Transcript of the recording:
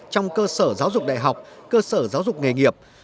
trong cơ sở giáo dục đại học cơ sở giáo dục nghề nghiệp